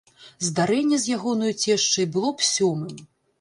Здарэнне з ягонаю цешчай было б сёмым.